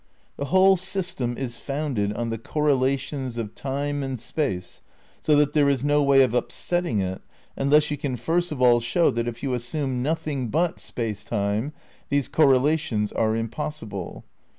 The whole system is founded on the correlations of Time and Space so that there is no way of upsetting it unless you can first of all show that if you assume nothing but Space Time these correlations are impossible.